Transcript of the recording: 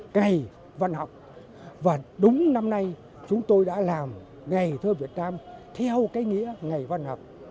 ngày văn học và đúng năm nay chúng tôi đã làm ngày thơ việt nam theo cái nghĩa ngày văn học